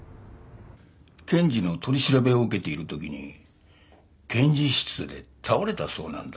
検事の取り調べを受けている時に検事室で倒れたそうなんだ。